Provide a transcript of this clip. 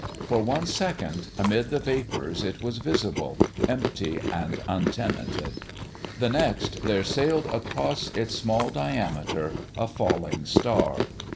For one second, amid the vapours, it was visible, empty and untenanted. The next, there sailed across its small diameter a falling Star.